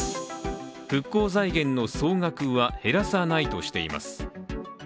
復興財源の総額は減らさないとしています。